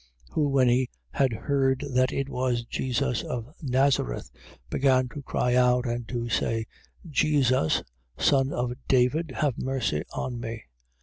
10:47. Who when he had heard that it was Jesus of Nazareth, began to cry out and to say: Jesus, Son of David, have mercy on me.